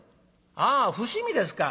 「ああ伏見ですか。